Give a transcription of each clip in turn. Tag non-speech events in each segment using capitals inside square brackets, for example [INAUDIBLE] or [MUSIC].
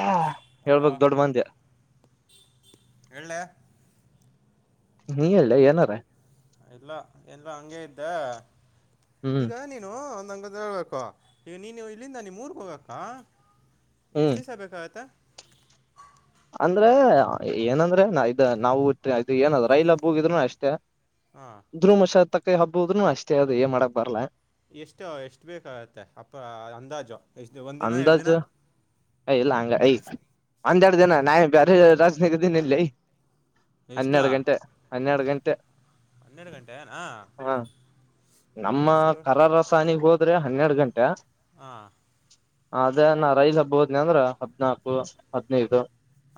ಹ ಹಲೋ ಹೇಳ್ಬಕ್ ದೊಡ್ಡ ಮಂದಿ ಹೇಳ್ ಲೆ ನೀ ಹೇಳಲೆ ಏನರ್ ಇಲ್ಲ ಎಲ್ಲ ಹಂಗೆ ಇದ್ದೆ ಹ್ಮ್ ಈಗ ನೀನು ನಂಗೊಂದ್ ಹೇಳ್ಬೇಕು ಈಗ ನೀನು ಇಲ್ಲಿಂದ ನೀ ಮೂರ್ಗ್ ಹೋಗಕ್ಕ ಎಷ್ಟು ದಿವ್ಸ ಬೇಕಾಗುತ್ತೆ ಅಂದ್ರೆ ಏನಂದ್ರೆ ಇದ ನಾವು ಇದು ಏನ ರೈಲ ಹೋಗಿದ್ರು ಅಷ್ಟೇ ಹಾಂ ಧ್ರೂಮಶತ ಕೈ ಹಬ್ಬಹುದುನು ಅಷ್ಟೇ ಅದು ಏನ್ ಮಾಡಕ್ ಬರಲ್ಲ ಎಷ್ಟು ಎಷ್ಟು ಬೇಕಾಗತ್ತೆ ಅಪ್ಪ ಅಂದಾಜು ಎಷ್ಟು ಒಂದು ದಿನ ಎರಡು ದಿನ ಅಂದಾಜು ಇಲ್ಲ ಹಂಗ ಐ ಒಂದೆರಡು ದಿನ ನಾ ಬೇರೆ ರಾಜ್ಯ ನಾಗ್ ಇದಿನ ಏನ್ ಲೆ ಎಷ್ಟು ಹನ್ನೆರಡು ಗಂಟೆ ಹನ್ನೆರಡು ಗಂಟೆ ಟ್ ಹನ್ನೆರಡು ಗಂಟೆನಾ [UNINTELLIGIBLE] ಹಾ ನಮ್ಮ ಅಷ್ಟು ಕರರಸಾನಿಗೆ ಹೋದ್ ಆದ್ರೆ ಹನ್ನೆರಡು ಗಂಟೆ ಹಾ ಅದೇ ನ ರೈಲ್ ಹಬ್ಬೋದ್ನ ಅಂದ್ರ ಹದ್ನಾಕು ಹದ್ನೈದು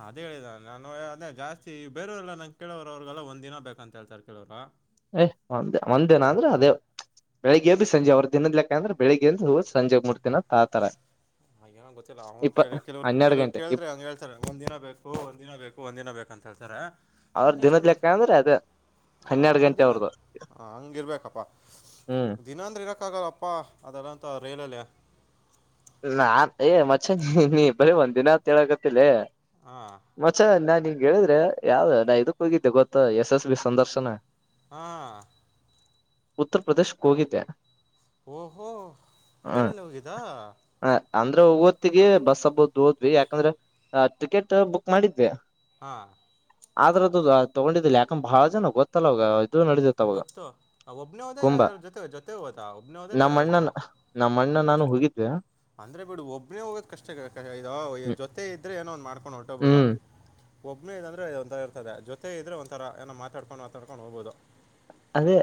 ಅದೇ ಹೇಳಿದ ನಾನು ಅದೇ ಜಾಸ್ತಿ ಬೇರವರೆಲ್ಲ ನಂಗೆ ಕೇಳೋರು ಅವ್ರಗೆಲ್ಲ ಒಂದಿನ ಬೇಕ ಅಂತ ಹೇಳ್ತರ್ ಕೆಲವ್ರು ಏ ಒಂದ್ ಒಂದ್ ದಿನ ಅಂದ್ರೆ ಅದೇ ತ್ ಬೆಳಿಗ್ಗೆಯಿಂದ ಸಂಜೆ ಅವ್ರ ದಿನದ ಲೆಕ್ಕ ಅಂದ್ರೆ ಬೆಳಗ್ಗೆ ಅ ಹ ಸಂಜೆ ಹೋಗ್ ಮುಟ್ತೀನಿ ಆ ತರ ಹಾಗೇನ ಗೊತ್ತಿಲ್ಲ ಅವ್ ಕೇಳ ಕೆಲವ್ರ್ ಕೆಲವ್ ಗಂಟೆ ಇ ಕೇಳಿದ್ರೆ ಹಂಗ ಹೇಳ್ತಾರೆ ಒಂದ ದಿನ ಬೇಕು ಒಂದಿನ ಬೇಕು ಒಂದ ದಿನ ಬೇಕು ಅಂತ ಹೇಳಿ ಹೇಳ್ತಾರೆ ಅವ್ರ ನಾನ್ ಯೋಚನೆ ದಿನದ್ ಮಾಡ್ದ ಲೆಕ್ಕ ಅಂದ್ರೆ ಅದ ಹ ಹನ್ನೆರಡು ಗಂಟೆ ಒಂದಿನ ಅವ್ರದು ಹ ಹಂಗಿರ್ಬೇಕಪ್ಪಾ ಹ್ಮ್ ದಿನ ಅಂದ್ರೆ ಇರಕ್ಕ ಆಗಲ್ಲಪ್ಪ ಅಪ್ಪಾ ಅದೆೆಲ್ಲಾಂತ ರೈಲಲ್ಲಿಯಾ ನಾನ್ ಏ ಮಚ್ಚ ನೀ ಬರೀ ಒಂದ್ ದಿನ ಅಂತ್ ಹೇಳ ಕತ್ತಿ ಲೆ ಹಾಂ ಮಚ್ಚಾ ನಾ ನಿನ್ ಕ ಹೇಳಿದ್ರೆ ಯಾವ್ದ ನಾ ಇದಕ್ಕ ಹೋಗಿದ್ದೆ ಗೊತ್ತ ಯಶಸ್ ಬಿ ಸಂದರ್ಶನ ಹಾ ಉತ್ತರ್ ಪ್ರದೇಶಕ್ ಹೋಗಿದ್ದೆ ಓಹೋ ರೈಲಲ್ಲಿ ಹೋಗಿದ್ದಾ ಹ ಅಂದ್ರೆ ಓತ್ತಿಗೆ ಬಸ್ ಹಬ್ಬದ ಓದ್ವಿ ಯಾಕಂದ್ರ ಟಿಕೆಟ್ ಬುಕ್ ಮಾಡಿದ್ವಿ ಹಾ ಆದದ್ರದದು ತಗೊಂಡಿದ್ದಿಲ್ಲ ಯಾಕಂದ ಬಾಳ ಜನ ಗೊತ್ತಲ್ಲ ಅವ ಗೊತ್ತ್ತ ಒಬ್ನ ಹೊದ ಕುಂಭ ಯಾರಾರ ಜೊತೆ ಜತೆತ ಒಬ್ನ ಹೊದೆಲ್ಲಾ ಯಾರು ಇರ ಮಣ್ಣ ನು ಹಗಿ ಅ ಅಂದ್ರೆ ಬಿಡು ಒಬ್ನೇ ಹೋಗೋದ ಕಷ್ಟ ಜೊತೆ ಇದ್ರೆ ಏನೋ ಒಂದ್ ಮಾಡ್ಕೊಂಡ್ ಹೊಟೋಗಬೋುದ ಹ್ಮ್ ಒಬ್ಮ್ಮೆ ಇದ ಅ್ರೆ ಒಂಂತರ ಇರ್ತದೆ ಜೊತೆ ಇದ್ರೆ ಒಂಥರ ಏನೋ ಮಾತಾಡ್ಕೊಂಡು ಮಾತಾಡ್ಕೊಂಡು ಹೋಗಬೋುದು ಅದೇ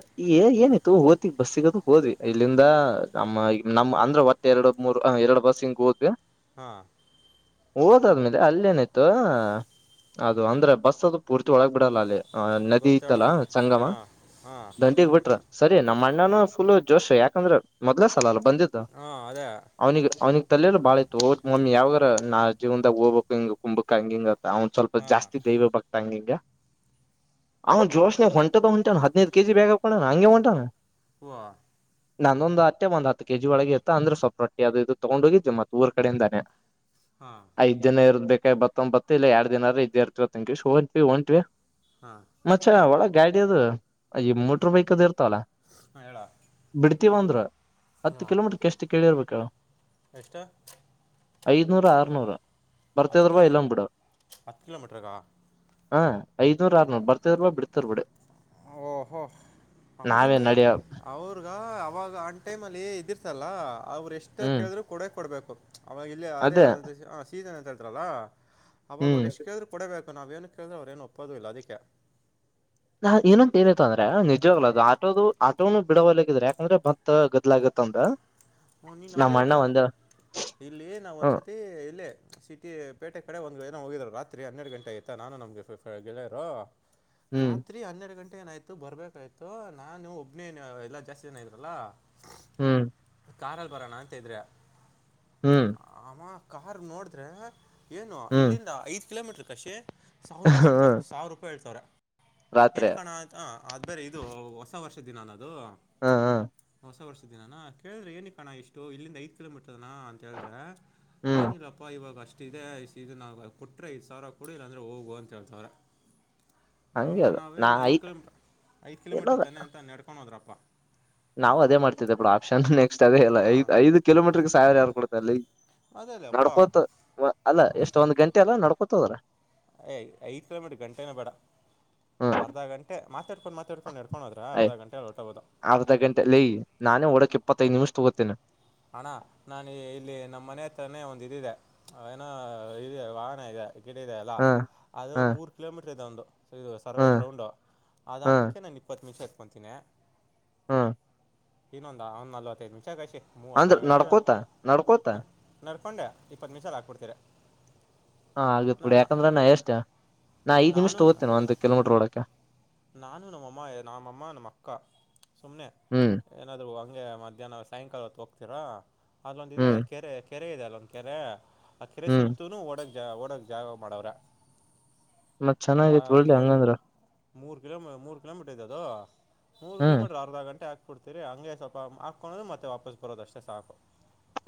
ಏನಿತ್ತು ಓದತಿ ಬಸ್ಸಿಗದು ಹೋದ್ವಿ ಇಲ್ಲಿಂದ ನಮ್ಮ ನಮ್ ಅಂದ್ರ ಒಟ್ಟ ಎರಡು ಮೂರ್ ಎರಡ್ ಬಸ್ಿಂಗ್ ಹೋದ್ವಿ ಹಾಂ ಓ ನನ್ನ ಅಲ್ಲೇಏನಾಯತ ಆ ನದಿ ಗೊತ್ತೇಳ ಇದ್ದಲಾ ಸಂಗಮ ಹಾಂ ಹಾಂ ದಂಟಿಗ್ ಬಿಟ್ರ ಸರಿಯನ ನಮ್ಮ ಅಣ್ಣಾನ ಫುಲ್ ಜೋಶ್ ಯಾಕಂದ್ರೆ ಮೊದ್ಲ ಸಲ ಅ ಬಂದತ ಹಾಂ ಅದೇ ಅವ್ನಿಗೆ ಅವ್ನಿಿಗೆ ತಲೆಲ್ಲ ಬಾಳ ಹೋ ಮಮ್ಮಿ ಯಾವ್ರ ನಾ ಜೀವನ್ದಾಗ ಹೋಗ್ಬೇಕಕ್ ಹಿಂಗ ಕು್ಬೇಕ ಹಂಗ ಹಿಂಗ ಅವ್ನ್ ಸ್ವಲ್ಪ ಹಾಂ ಜಾಸ್ತಿ ದೈವ ಬಕ್ತಾಂಗಿಂಗ ಅವ ಜೋಶ ನೀ ಹೊಂಟದ ಹೊಂಟ ಹದಿನೈದು ಕೆ ಜಿ ಬ್ಯಾಾಗಪ್್ೋಣ ಹಂಗೆ ಹೊಂಟಾನಣ ವಾ ನಂದೊಂದು್ ಅಟ್ಟೆ ಒಂದ ಹತ್ತು ಕೆಜಿ ಒಳಗೆ ಇತ್ತ ಅಂದ್ರೆ ಸ್ೊಲ್ಪೊಟ್ಟಿ ಅದು ತಗೊಂಡ್ ಹೋಗಿದ್ೆ ಮತ್ತತ್ ಊರ್ ಕಡೆಯಿಂದಾನೆ ಹಾಂ ಐದ್ ಜನ ಇರದಬೇಕು ಬತ್ತೊಂಬತ್ತ ಇ ಎರ ದಿನರ ಇದ್ದ ಇರ್ತಿವಂಗಿಂವಿ ಒಂಟಟ್ವಿ ಹಾಂ ಮ ಒಳ ಗಾಡಿಟ ಅದುು ಈ ಹಾಂ ಮೋಟ್ರ ಬೈಕ್ದ ಇರ್ತಲ್ಲ ಹಾಂ ಹೇಳ ಬಿಡ್ತಿೀವಂದ್ರ ಹತ್ತು ಹಾಂ ಕಿಲೋಮೀಟರ್ ಎಷ್ಟು ಕೇಳಿರ್ಬೇಕಳ ಎಷ್ಟು ಐದನೂರ ಆರ್ನೂರು ಹತ್ತು ಬರ್ತದ್ರ ಬ ಕಿಲೋಮೀಟ್ರ್ ಎಲ್ಲಂದ್ ಬಿಡ ಹತ್ತು ಕಿಲೋಮೀಟ್ರಗಾ ಹಾ ಐದನೂರ್ ಆರುನೂರ್ ಬರ್ತ್ ಬ ಬಿಡ್ತ್ ಬಿಡಿ ಓಹೋ ಅಲೆ ನಡಿಯ ಅವರು ಅವಾಗ ಆನ್ ಟೈಮ್ ಅಲ್ಲಿ ಇದಿರ್ತಲ್ಲ ಅವ್ರು ಎಷ್ಟ ಹ್ಮ್ ಕೇಳಿದ್ರು ಕೊಡ ಕೊಡ್ಬೇಕು [UNINTELLIGIBLE] ಅವಾಗ ಇಲ್ಲೇ ಅದೇ ಅ ಸೀಸನ್ ಹೇಳ್ತಾರಲ್ಲ ಅವಾಗ ಹ್ಮ್ ಅವ್ರು ಎಷ್ಟು ಕೇಳಿದ್ರು ಕೊಡಬೇಕು ಸೊ ನಾವೇಏನ ಕೇಳಿದ್ರೆ ಅವ್ರು ಏನು ಒಪ್ಪೋದು ಇಲ್ಲ ಅದಕ್ಕೆ [UNINTELLIGIBLE] ಅ ಅಂದ್ರೆ ನಿಜವಾಗದು ಹಾಂ ಆದು ಆಟೋ ದು ಅ ಬಿಡವಾಗಿದ್ರ ಯಾಕಂದ್ರೆ ಭಕ್ತ ಗಡ್ಲ ಆಗ್ತದಂತ ಹೂ ನೀನ್ ಹಂಗೆ ಹೇಳ್ತಿಯಯ ಇಲ್ಲಿ ನಾವ ಹ್ಮ್ ಒಂದ್ಸರ್ತಿ ಇಲ್ಲೇ ಸಿಟಿ ಪೇಟೆ ಕಡೆ ಒಂದು ಏನೋ ಹೋಗಿದರು ರಾತ್ರಿ ತ್ರಿ ಹನ್ನೆರ ಗಂಟೆ ಆಯತಾ ನಾನು ನಮ್ಗೆ ಗೆಳೆಯರರು ಹ್ಮ್ ರಾತ್ರಿ ಹನ್ನೆರಡು ಗಂಟೆ ಏನಾಯ್ತು ಬರ್ಬೇಕಾಯ್ತು ನಾನು ಒಬ್ನೇ ಎಲ್ಲಾ ಜಾಸ್ತಿ ಜನ ಇದ್ರಲ್ಲಾ ಹ್ಮ್ ಕಾರ ಅಲ್ಲಿ ಬರೋಣ ಅಂತ ಇದ್ರಿ ಹ್ಮ್ ಮಾ ಕಾರ್ ನೋಡಿದ್ರೆ ಏನು ಹ್ಮ್ ಇಲ್ಲಿಂದ ಐದು ಕಿಲೋಮೀಟರ್ ಕಷೇ ಸಾವ್ರ ಹ ರೂಪಾಯಿ ಹೇಳ್ತಾರೆ ಸಾವರ ರೂಪಾಯಿ ಹೇಳ್ತಾರೆ ರಾತ್ರಿ ಏನ್ಕ ಅಣ್ಣ ಆದರೆ ಇದು ಹೊಸ ವರ್ಷ ದಿನ ಅನ್ನದು ಹಾ ಹಾ ಹೊಸ ವರ್ಷದಿನಾನ ಹೇಳ್ರೆ ಏಣಿಕಣ ಇಷ್ಟು ಇಲ್ಲಿಂದ ಐದು ಕಿಲೋ ಮೀಟರ್ ನಾ ಅಂತ ಹೇಳಿದ್ರೆ ಹ್ಮ್ ಏನಿಲ್ಲಪ್ಪಾ ಇವಾಗ ಅಷ್ಟೇ ಷ್ಟ ಇದೆ ಇದು ನಾ ಕೊಟ್ರೆ ಐದು ಸಾವಿರ ಕೊಡಿ ಇಲ್ಲಾಂದ್ರೆ ಹೋಗು ಅಂತ ಹೇಳ್ತಾವ್ರೆ ಹಂಗೆ ಆಮೇಲೆ ಅದು ನಾ ನಾವೇನ್ ಐ ಐದು ಕಿಲೋಮೀಟಾರ್ ಐದ ಕಿಲೋಮೀಟರ್ ಏನದ ತಾನೇ ಅಂತ ನಡ್ಕೊಂಡು ಹೋದ್ರಪ್ಪ ಪ್ಪ ನಾವು ಅದೇ ಮಾಡ್ತಿದ್ದೇ ಬಿಡು ಶಣ ನೆಕ್ಸ್ಟ್ ಅದೇಲ್ಲ ಹಾಂ ಐದು ಕಿಲೋಮೀಟರ್ ಗೆ ಸಾವಿರ ಯಾರ್ಕೊಡ್ [UNINTELLIGIBLE] ಅದೇಲಪ್ಪ ನಡ್ಕೋತ ಅಲ್ಲ ಎಷ್ಟೊಂದ್ ಗಂಟೆ ಅಲ್ಲ ನಡ್ಕೋ [UNINTELLIGIBLE] ಯ ಐದ ಕಿಲೋಮೀಟರ್ ಗಂಟೆನ ಬೇಡ ಅರ್ಧ ಗಂಟೆ ಮತ್ತ ಯ್ ಹೊರ್ಟೋಗೋದು ಅರ್ಧ ಗಂಟೆ ಅಲ್ಲ ನಾನೇ ಓಡಕ್ ಇಪ್ಪತ್ತೈದ್ ನಿಮಿಷ ತೊಗೊತೀನಿ ಅಣ ನಾನು ಇಲ್ಲಿ ನಮ್ಮ್ ಮನೆ ಹತ್ರಾನೇ ಒಂದ ಇದಿದೆ ಅವ ಏನೋ ಇದೆ ವಾಹನ ಇದೆ. ಗಿಡ ಇದೆ ಅಲ್ಲ ಹ ಅದು ಹ ಮೂರು ಕಿಲೋಮೀಟರ್ ಇದೆ ಒಂದು. ಸೊ ಇದು ಸರ್ವ ಹ ರೌಂಡು ಅದು ಹ ಹಾಕಕ್ಕೆ ನಾನ ಇಪ್ಪತ್ತ ನಿಮಿಷ ಆ ತ್ತಿನಿ ಹಾ ಇನ್ನೊಂದ ಒಂದ್ ನಲವತ್ತೈದ ನಿಮಿಷ ಕಷೆ ಅಂದ್ರ ನಡ್ಕೋತ ನಡ್ಕೋತ. ಹಕೊಂಡೆ ಇಪ್ಪತ್ತ ನಿಮಿಷ್ದ್ ಲ್ಲಿ ಹಾಕ್ಬಿಡ್ತೀರಿ. ಹಾ ಆಗತ್ ಬಿಡಿ ಯಾಕಂದ್ರ ನಾ ಎಷ್ಟ ನಾ ಐದ ನಿಮಿಷ ನಾನು ತಗೋತೇನ ಒಂದು ಕಿಲೊಮೀಟರ್ ಓಡೋಕೆ. ನಾನು ನಮ್ಮ ಅಮ್ಮ ನಮ್ಮ ಅಮ್ಮ ನಮ್ಮ ಅಕ್ಕಾ ಸುಮ್ನೆ ಹ್ಮ್ ಏನಾದ್ರು ವಾಕ್ ಹಂಗೆ ಮಧ್ಯಾಹ್ನ ಸಾಯಂಕಾಲ ಹೊತ್ತ ಹೋಗ್ತೀರಾ ಅಲ್ ಒಂದ್ ಇದೆ ಹ್ಮ್ ಕೆರೆ ಕೆರೆ ಇದೆ ಅಲ್ಲ ಒಂದ ಕೆರೆ ಆ ಕೆರೆ ಹ್ಮ್ ಸುತ್ತುನು ಓಡಗ್ ಜ ಓಡಕ್ ಜಾಗ ಮಾಡವ್ರೆ. ಮತ್ ಚೆನ್ನಾಗಿತ್ ಒಡ್ಲಿ ಅದು ಒಂದು ಹಂಗಂದ್ರ. ಮೂರು ಕಿಲೋಮ್ ಮೂರ ಕಿಲೋಮೀಟರ್ ಐತಿ ಅದೂ. ಮೂರು ಹ್ಮ್ ಕಿಲೊಮೀಟರ್ ಅರ್ಧ ಗಂಟೆ ಆತ್ ಕೊಡ್ತೀರಿ ಹಂಗೆ ಸ್ವಲ್ಪ ಹಾಕೋಳೋದು ಮತ್ತೆ ವಾಪಸ್ ಬರೋದಷ್ಟೇ ಸಾಕು.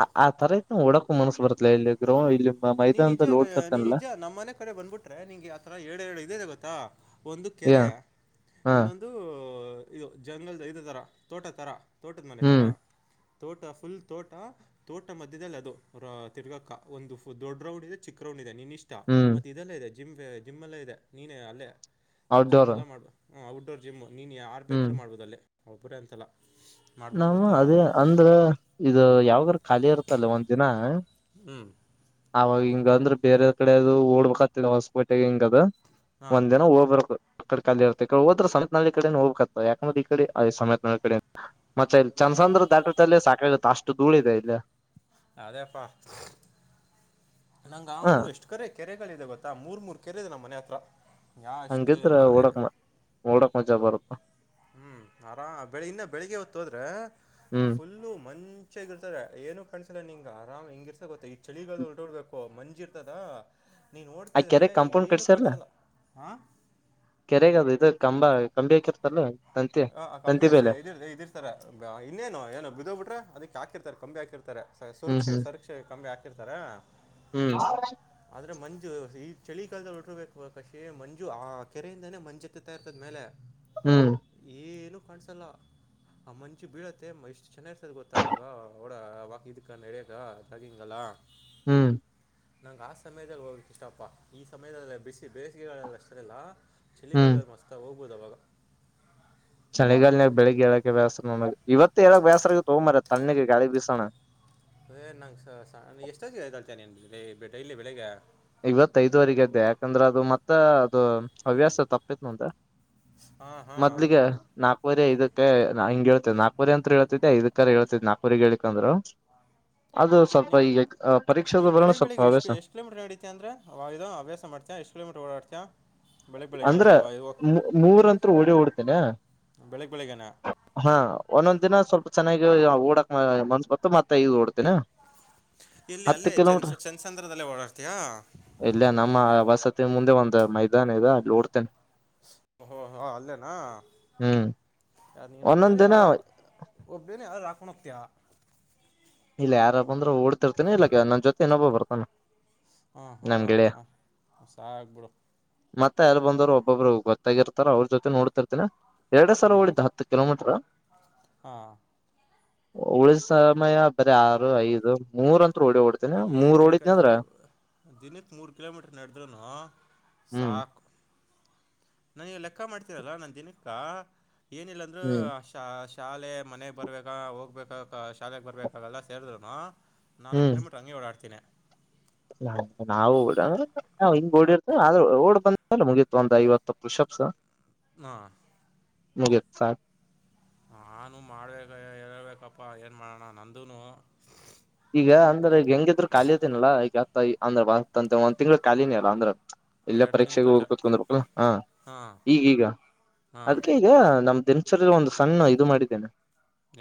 ಆ ಆತರ ಇತ್ತ್ ಅಂದ್ರ ಓಡಾಕು ಮನಸ ಬರ್ತ್ತಲ ಇಲ್ಲಿ ಇದ್ರ ಇಲ್ಲಿ ಮ- ನೀನ್ ನಿಜ ಮೈದಾನದಲ್ಲಿ ನೀನ್ ಓಡ್ತಿರ್ತಾನಲ್ಲ ನಿಜ ನಮ್ಮ ಮನೆ ಕಡೆ ಬಂದ್ಬಿಟ್ರೆ ನಿಂಗೆ ಆತರ ಏಳ್ಏಳ ಇದ ಇದೆ ಗೊತ್ತಾ ಒಂದು ಯ ಕೆರೆ ಹಾ ಇನ್ನೊಂದು ಇದು ಜಂಗಲ್ದ ಇದ ತರ ತೋಟ ತರ ತೋಟದ ಮನೆ ತರ ಹ್ಮ್ ತೋಟ ಫುಲ್ ತೋಟ ತೋಟ ಮಧ್ಯದಲ್ಲಿ ಅದು ತಿರ್ಗಾಕ್ಕ ಒಂದು ಒಂದ್ ದೊಡ್ಡ ರೌಂಡ್ ಇದೆ ಚಿಕ್ಕ್ ರೌಂಡ ಇದೆ. ನೀನ್ ಇಷ್ಟ ಹ್ಮ್ ಮತ್ತ ಇದೆಲ್ಲ ಇದೆ. ಜಿಮ್ ಜಿಮ್ಮಯಲ್ಲಾ ಇದೆ ನೀನ ಅಲ್ಲೇ ಜಿಮ್ ಔಟ್ಡೋರ್ ಎಲ್ಲಾ ಮಾಡ್ಬ ಹ ಔಟ್ಡೋರ್ ಜಿಮ್ ನೀನ ಯಾರ ಬೇಕರು ಮಾಡ್ಬುದಲ್ಲಿ. ಒಬ್ಬರೆ ಅಂತಲ್ಲ. ಮಾಡ್ಬೋದು ನಮ್ಮ ಗೊತ್ತಾ ಅದೇ ಅಂದ್ರ ಇದು ಯಾವಾಗ್ರ ಖಾಲಿ ಇರ್ತ್ತಲ್ಲ ಒಂದ್ ದಿನ ಹ್ಞೂ ಹಾಗ ಇಂಗ ಅಂದ್ರೆ ಬೇರೆ ಕಡೆ ಅದು ಓಡ್ಬೇಕಕ್ತ್ತತಿ ಹೊಸ್ಪಟೆಗೆ ಹಿಂಗ ಹಾಂ ಒಂದ್ ದಿನ ಹೋಗರ ಅ ಕಡೆ ಕಾಲಿ ಇರ್ತ ಈಡೆ ಹೋದ್ರ ಸಮೆತ್ ನಿ ಕಡೆ ಹೋಗ್ಬೇಕ ಆತ ಯಾಕಂದ್ರ ಈಡೆ ಸಮತ್ ನ ಕಡೆ [UNINTELLIGIBLE] ಮತ್ತೆ ಇಲ್ಲಿ ಚಂದಸಂದ್ರ ದಾಟ್ರ ಸಾಕಾಗತ್ತ ಅಷ್ಟು ಧೂಳ ಇದೆ ಇಲ್ಲಿ ಅದೇಪ್ಪಾ ನಂಗ ಅವ್ ಹ ಎಷ್ಟ ಕರೆ ಕೆರೆ ದೆ ಗೊತ್ತಾ ಮೂರ್ ಮೂರ್ ಕೆರೆ ಇ ನಮ್ಮ ಮನೆ ಹತ್ರ ಯಾ ಅಷ್ಟೇ ಹಂಗತ್ರ ಹೋಡೋಗುವ ನೋಡಕ್ ಮಜಾ ಬರುತ್ತ ಹ್ಮ್ ಆರಾಮ ಇನ್ನ ಬೆಳಿಗ್ಗೆ ಹೊತ್ತು ಹೋದ್ರೆ ಹ್ಮ್ ಫುಲ್ಲು ಮಂ ಹೆಚ್ಚಾಗಿ ಇರ್ತಾರೆ ಏನು ಕಿಸಸಿಲ್ಲ ನಿಂಗ ಆರಾಮ ಹಿಂಗಿರ್ಸ ಗೊತ್ತ ಚಳಿಗಾಲ ಉಟೋರ್ಬೇಕು ಮಂ ರ್ತದಾ ಆ ಕೆರೆ ಕಂಪೌಂಡ್ ಕಟ್ಸಲ್ ಹಾಂ ಕೆರೆಗೆ ಅದು ಇದು ಕಂಬ ಕಮ್ಮಿ ಆಕಿರ್ತಲ್ಲ ಹ ಕಮ್ಮಿ ಅಷ್ಟೆ ಇದ ಇದಿರ್ತಾರ ಇನ್ನೇನು ಏನು ಬಿದೋಗ್ ಬಿಟ್ರೆ ಅದಿ ಹಾಕಿರ್ತಾರ ಕಮ್ಮಿ ಹಾಕಿರ್ತಾರೆ ಹ್ಮ್ ಸುರಕ್ಷೆ ಸುರಕ್ಷೆ ಕಮ್ಮಿ ಹಾಕಿರ್ತಾರ ಹ್ಮ್ ಆದ್ರೆ ಮಂ ಈ ಚಳಿಗಾಲದಲ್ಲಿ ಉಡರ್ಬೇಕು ಕಷೇ ಮಂಜು ಆ ಕೆರೆಯಿಂದಾನೇ ಮಂಜುತ್ತತಾ ಇರ್ತದ ಮೇಲೆ ಹ್ಮ್ ಏ ಏನು ಕಾಣ್ಸಲ್ಲ ಆ ಮಂಚಿ ಬೀಳತ್ತೆ ಎಷ್ಟ್ ಚೆನ್ನಾಗಿರ್ತದ ಗೊತ್ತ ಅವಾಗ ಅವಡ ವ ಇದಕ್ಕ ನಡ್ಯಾಗ ಜಾಗಿಂಗಲ್ಲ ಹ್ಮ್ ನಂಗ ಆ ಸಮಯದಲ್ಲಿ ಹೋಗ್ಕ್ ಇಷ್ಟಪ್ಪ ಈ ಸಮಯದೆಲ್ಲ ಬಿಸಿ ಬೇಸಿಗೆಗಳೆಲ್ಲ ಅಷ್ಟರಿಲ್ಲ ಚಲಿ ಹ್ಮ್ ಕಲ್ದರ್ ಮಸ್ತ ಬದಾವಾಗ ಚಳಿಗಾಲನಯ ಬೆಳಿಗ್ ಏಳಕ್ಕೆ ವ್ಯಾಸ್ರ ನ ಇವತ್ತು ಎಳಕ್ ವ್ಯಾಸ್ರಗ ತಗೊ ಮರ ತ್ಣಿಗೆ ಗಾಳಿ ಬೀಸೋಣ ನಂಗೆ ಸ ಎಷ್ಟೊಗೆಲ್ತ ನೀನ್ ಇಲ್ಲಿ ಬೆಳಿಗ್ ಇವತ್ ಐದುವರೆಗ ಅಯಾಕಂದ್ರೆ ಅದು ಮತ್ತ ಅದು ಹವ್ಯಾಸ ತಪ್ಪಿತ್ ನಂದ ಹಾಂ ಹಾಂ ಮೊದ್ಲಿಗೆ ನಾ ನಾಪುರಿ ಇದಕ್ಕೆ ಹಂಗ ಹೇಳ್ತ್ ನಾಗಪುರಿ ಅಂತ ಹೇಳ್ತಿದ ಇದಕ್ಕ ಹೇಳ್ತತಿ ನಾಗಪೂರಿಗೆ ಹೇಳಲಿಕಂದ್ರು ಅದು ಸ್ವಲ್ಪ ನೀನು ಈಗ ಪರೀಕ್ಷಾದ ಬರಣ ಸ್ವಲ್ಪ ಹವ್ಯಾಸ ಅಂದ್ರೆ ಆ ಅಭ್ಯಾಸ ಮಾಡ್ತಾ ಎಷ್ಟ ಕಿಲೋಮೀರ್ ಓಾಡ್ತಾ ಅಂದ್ರ ಮೂರಂ ಓಡಿ ಓಡ್ತೇನ ಬೆಳಗ್ಗೆ ಬೆಳಗ್ಗೆನಾ ಹಾ ಒಂದೊಂದ್ ದಿನ ಎ- ಸ್ವಲ್ಪ ಚೆನ್ನಾಗಿ ಓಡಕ್ ಮ ಮತ್ತಐ ಓಡ್ತೇನ ಇಲ್ಲಿ ಹತ್ತು ಅಲ್ಲೇ ಚೆನ್ ಕಿಲೋಮೀಟರ್ ಚೆನ್ಸಂದ್ರದಲ್ಲೇ ಓಡಾಡ್ತೀಯಾ ಮತ್ತೆ ಮುಂದೆ ಒಂದ ಮೈದಾನ ಇದೆ [UNINTELLIGIBLE] ಓಹೋಹೋ ಅಲ್ಲೇನಾ ಹ್ಮ್ ಯಾರ ನೀನ್ ಒಬ್ಬನೇ ಒಂದೊಂದ್ ದಿನ ಯಾರು ಒಬ್ಬನೇನ ಯಾರು ಹಾಕೊಂಡ ಹೋಗ್ತಯ ಇಲ್ಲ ಯಾರ ಅಂದ್ರರು ಓಡ್ತಿರ್ತೇನ ಇಲ್ಲ ನನ್ ಜೊತೆ ಇನ್ನೊಬ್ಬ ಬರ್ತಾನ ಹಾ ಹಾ ನಮ್ ಗೆಳೆಯ ಸಾಕ್ಬಿಡು ಮತ್ತೆ ಎಲ್ಲಿ ಬಂದೋರು ಒಬ್ಬೊಬ್ರು ಗೊತ್ತಾಗಿರ್ತಾರ ಅವ್ರ ಜೊತೆ ಓಡ್ತಿರ್ತಿನಿ ಎರಡ್ ಸಾವಿರ ಓಡಿದು ಹತ್ತು ಕಿಲೋಮೀಟರ್ ಹಾ ಉಳಿದ ಸಮಯ ಆರು ಐದು ಮೂರ ಹೇ ಬಿಡು ಕಾಶಿ ದಿನಕ್ಕೆ ಮೂರು ಕಿಲೋಮೀಟರ್ ನಡೆಡ್ರು ಹ್ಮ್ ಸಾಕು ನಾನ ಲೆಕ್ಕ ಮಾಡ್ತೀರಲ್ಲ ನನ್ ದಿನಕ್ಕ ಏನಿಲ್ಲ ಅಂದ್ರೂ ಹ್ಮ್ ಶಾಲೆ ಮನೆಗೆ ಬರಬೇಕಾ ಹೋಗ್ಬೇಕ ಶಾಲೆಗೆ ಬರಬೇಕಾಗೆಲ್ಲ ಸೇರಿದ್ರುನು ಹ್ಮ್ [UNINTELLIGIBLE] ನಾವು [UNINTELLIGIBLE] ಹಾ ಹಿಂಗ ಅದು ಓಡಿರ್ತ ಆದ್ರ ಓಡ್ ಬಂದಲ್ಲ ಮುಗೀತು ಒಂದ ಐವತ್ತು ಷಪ್ಸ್ ಹಾ ಮುಗಿತ್ ಸಾಕ ನಾನು ಮಾಡ್ಬೇಕ ಹೇಳ್ಬೇಕಪ್ಪಾ ಏನ್ ಮಾಡೋಣ ನಂದನು ಈಗ ಅಂದ್ರೆ ಈಗ ಹೆಂಗಿದ್ರು ಖಾಲಿ ಇದೀನಲ್ಲಾ ಈಗ ಅತ್ತ ಅಂದ್ರ ಬತ್ ಒಂದ ತಿಂಗ್ ಖಾಲಿನನ್ರ ಅಲ್ಲ ಅಂದ್ರೆ ಎಲ್ಲ ಎರಡು ತಿಂಗ್ಳು ಪರೀಕ್ಷೆೆಗೆ ಹೋಗ ರಜೆ ಕತ್ಕೊಂಡಲ್ಲ ಹಾ ಹಾಂ ಈಗೀಗ ಹಾಂ ಅದಕ್ಕೆ ಈಗ ನಮ್ದಿನ ಒಂದು ಸಣ್ಣ ಇದು ಮಾಡಿದ್ದೇನೆ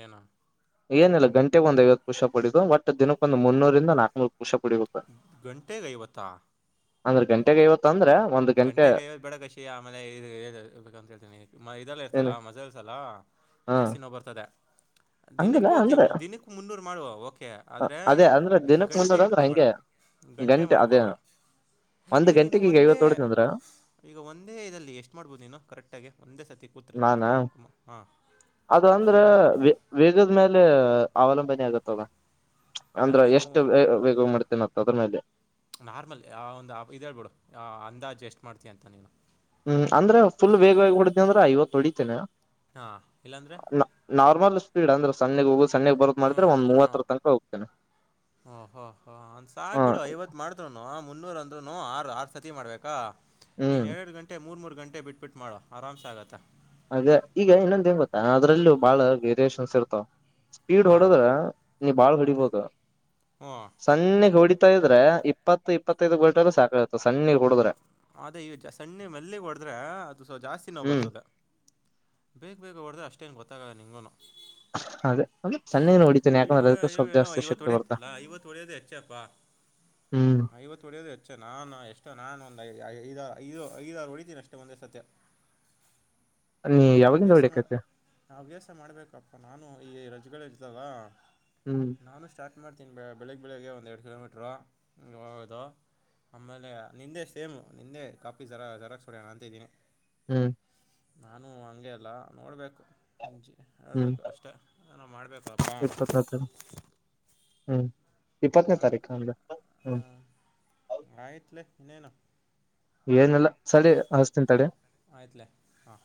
ಏನಾ ಏನಲ್ಲ ಗಂಟೆ ಒಂದ್ ಐವತ್ತು ಪುಶ್ ಅಪ್ ದಿನಕ್ಕೊಂದು ಮುನ್ನೂರಿಂದ ನಾಕನೂರ್ ಗಂಟೆಗೇ ಐವತ್ತ ಅಂದ್ರೆ ಗಂಟೆಗೇ ಐವತ್ತು ಅಂದ್ರೆ ಗಂಟೆ ಐವತ್ತು ಬೇಡ ಕಾಶಿ ಆಮೇಲೆ ಇದುಂತ ಹೇಳ್ತೀನಿ ಇದಲ್ಲ ಏನ್ ಇರ್ತಲ್ಲ ಮಸಲ್ಸ್ ಹ ಜಾಸ್ತಿ ನೋವು ಬರ್ತದೆ ಹಂಗಲ್ಲ ದಿನಕ್ಕೆ ಓಕೆ ಅಂದ್ರ ದಿನಕ್ಕೆ ಮುನ್ನೂರು ಮಾಡುವ ಓಕೆ ಆದರೆ ಅದೇ ಅಂದ್ರ ದಿನಕ್ ಗಂಟೆ ಮುನ್ನೂರ್ ಅಂದ್ರ ಇಟ್ಕೊಬೇಡ ಹಂಗೆ ಗಂಟೆ ಮಾಡ್ಕೊಬೇಡ ಒಂದ್ ಈಗ ನೀನು ಗಂಟೆಗೆ ಒಂದೇ ಐವತ್ ಹೊಡಿದ್ನಂದ್ರ ಈಗ ಒಂದೇ ಇದಲ್ಲಿ ಎಷ್ಟು ಮಾಡ್ಬೋದು ನೀನು ಕರೆಕ್ಟ್ಗೆ ಒಂದೇ ಸತಿ ನಾನ [UNINTELLIGIBLE] ಹಾ ಅದು ಅಂದ್ರೆ ವೇಗದ ಮೇಲೆ ಅವಲಂಬನೆ ಆಗತ್ತವ ಅಲ್ಲ ಅಂದ್ರೆ ನೀನು ಎಷ್ಟು ಒಂದು ವೇಗ ಮಾಡ್ತೇತಿನ್ ಅದ್ರ ಮೇಲೆ ನಾರ್ಮಲ್ ಆ ಒಂದು ಇದ್ ಹೇಳ್ಬಿಡು ಅಂದಾಜ್ ಎಸ್ಟ್ ಮಾಡ್ತ ಅಂತ ನೀನು ಹ್ಮ್ ಅಂದ್ರೆ ಫುಲ್ ವೇಗವಾಗಿ ಹೊಡ್ದ ಅಂದ್ರೆ ಐವತ್ತು ಹೊಡಿತೇನೆ ಹಾ ಇಲ್ಲಾಂದ್ರೆ ನಾರ್ಮಲ್ ಸ್ಪೀಡ್ ಅಂದ್ರೆ ಸಣ್ಣಿ ಹೋಗೊಸ್ [UNINTELLIGIBLE] ಒಂದ್ ಹ್ಞೂ ಮುವಾತ್ರತನಕ ಹೋಗ್ತೀನಿ ಓ ಹೋ ಹೋ ಅಂದ್ ಹಾಂ ನು ಆರ್ ಆರ್ ಸತಿ ಮಾಡ್ಬೇಕಾ ನೀನ್ ಹ್ಮ್ ಎರಡು ಗಂಟೆ ಮೂರ್ ಮೂರ್ ಗಂಟೆ ಬಿಟ್ಬಿಟ್ಟ ಮಾಡೋ ಆರಾಮ್ಸ ಆಗುತ್ತೆ ಅದೇ ಈಗ ಇನ್ನೊಂದ ಹೆಂಗ ಗೊತ್ತಾ ಅದ್ರಲ್ಲೂ ಬಹಳ ವೇರಿಯೇಷನ್ಸ್ ಇರ್ತಾವ ಸ್ಪೀಡ್ ಹಾಂ ಹೊಡದ್ರ ನೀ ಬಾಳ್ ಹೊಡಿಬಹುದು ಹ್ಞೂ ಸಣ್ಣಿಗ್ ಹೊಡಿ. ಪೈದ್ರೆ ಇಪ್ಪತ್ತು ಇಪ್ಪತ್ತೈದು ಗಲ್ಟ ಸಾಕಗುತ್ತೆ ಸಣ್ಣಿಗ್ ಹೊಡಿದ್ರೆ. ಆದ್ರೆ ಈ ಸಣ್ಣೆ ಮೆಲ್ಲಿಗೆ ಹೊಡದ್ರೆ ಅದು ಸೊ ಜಾಸ್ತಿ ನೋವು ಹ್ಮ್ ಬರ್ತದೆ ಬೇಗ ಬೇಗ ಹೊಡ್ದ್ರೆ ಅಷ್ಟೇನು ಗೊತ್ತಾಗಲ್ಲ ನಿಂಗೂನು ಅದೇ ಅಂದ್ರೆ ಸಣ್ಣನ ಹೊಡಿತೇನೆ ಬಿಡಿಕ ಯಾಕಂದ್ರೆ ಅದಕ್ಕೆ ಸ್ವಲ್ಪ ಜಾಸ್ತಿ ಐವತ್ತು ಶಕ್ತಿ ಹೊಡೆಯತ್ತ ಬರ್ತಾ ಅಲ್ಲ ಐವತ್ತು ಒಡೆಯೋದು ಹೆಚ್ಚಪ್ಪಾ ಹ್ಮ್ ಐವತ್ತು ಒಡೆಯೋದು ಹೆಚ್ಚ ನಾನು ಎಷ್ಟ ಸೊ ನಾನು ಐದ ಐದು ಐದಾರು ಹೊಡಿತೀನಿ ಅಷ್ಟೇ ಒಂದೇ ಸತಿ ನೀ ನಾನು ಯಾವಾಗಿಂದ ಹವ್ಯಾಸ ಮಾಡ್ ಹೊಡಿಯಕೈತಿ ಹವ್ಯಾಸ ಮಾಡ್ಬೇಕಪ್ಪ ನಾನು [UNINTELLIGIBLE] ಹ್ಮ್ ನಾನು ಸ್ಟಾರ್ಟ್ ಮಾಡ್ತೀನಿ ಬೆಳಿಗ್ಗೆ ಬೆಳಿಗ್ಗೆ ಒಂದ ಎರಡು ಕಿಲೋಮೀಟರು ಹೋಗೋದು ಆಮೇಲೆ ನಿಂದೆಷ್ಟು ಸೇಮ್ ನಿನ್ನೆ ಕಾಫಿ ಜರ ಜಝರಾಕ್ಸ್ ಹೊಡಿಯೋಣ ಅಂತ ಇದೀನಿ ಹ್ಮ್ ನಾನು ಹಂಗಗೆ ಅಲ್ಲ ನೋಡ್ಬೇಕು ಅಂಜಿ. ಆಗ್ಬೇಕು ಅಷ್ಟೇ ನಾನು ಮಾಡಬೇಕು ಇಪ್ಪತ್ ಆತೆ ಹ್ಮ್ ಇಪ್ಪತ್ತನೇ ಹಾಂ ತಾರೀಕ ಅಂದ್ರ ಹ್ಮ ಆಯ್ತಲೇ ಇನ್ನೇನು ಏನೆಲ್ಲ ಸರಿ ಹಚ್ತಿನಿ ತಡಿ ಸರಿ ಆಯ್ತಲೇ ಹಾಂ